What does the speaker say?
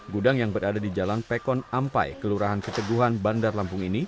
gudang yang berada di jalan pekon ampai kelurahan keteguhan bandar lampung ini